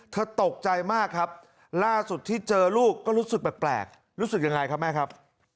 ตกใจมากครับล่าสุดที่เจอลูกก็รู้สึกแปลกรู้สึกยังไงครับแม่ครับ